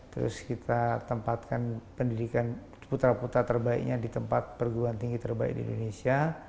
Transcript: terus kita tempatkan pendidikan putra putra terbaiknya di tempat perguruan tinggi terbaik di indonesia